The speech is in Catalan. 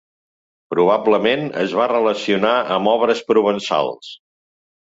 Probablement es va relacionar amb obres provençals.